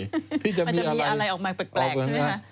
มันจะมีอะไรเปิดใช่มั้ยคะ